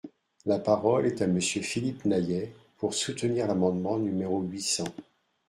La parole est à Monsieur Philippe Naillet, pour soutenir l’amendement numéro huit cents.